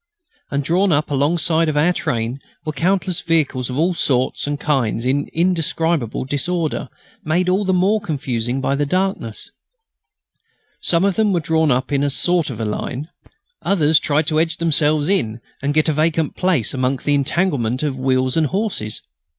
And drawn up alongside of our train were countless vehicles of all sorts and kinds in indescribable disorder, made all the more confusing by the darkness. Some of them were drawn up in some sort of a line. Others tried to edge themselves in and get a vacant place among the entanglement of wheels and horses.